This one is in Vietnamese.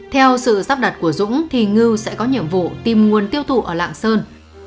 theo sự sắp đặt của dũng thì ngư sẽ có nhiệm vụ tìm nguồn tiêu thụ ở lạng sơn